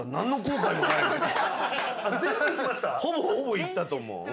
ほぼほぼいったと思う。